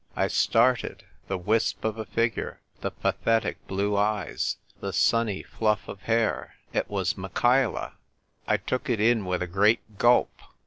I started. The wisp of a figure, the pathetic blue eyes, the sunny fluff of hair : it was Michaela. I took it in with a great gulp.